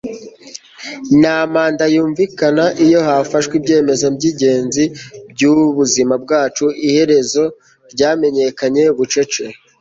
nta mpanda yumvikana iyo hafashwe ibyemezo byingenzi byubuzima bwacu. iherezo ryamenyekanye bucece